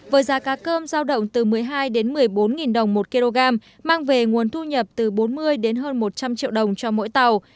với giá cá cơm giao động từ một mươi hai đến một mươi bốn đồng một kg mang về nguồn thu nhập từ bốn mươi đến hơn một trăm linh triệu đồng cho mỗi tàu